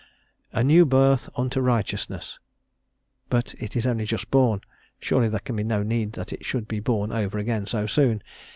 "A new birth unto righteousness?" but it is only just born, surely there can be no need that it should be born over again so soon?